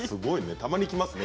たまにきますね